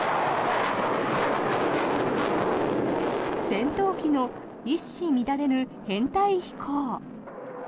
戦闘機の一糸乱れぬ編隊飛行。